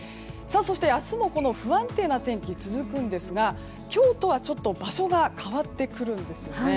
明日も不安定な天気が続くんですが今日とはちょっと場所が変わってくるんですね。